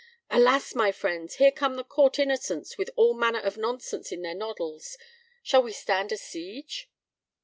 "Alas! my friends, here come the court innocents with all manner of nonsense in their noddles. Shall we stand a siege?"